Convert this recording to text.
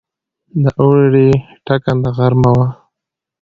د اوړي ټکنده غرمه وه.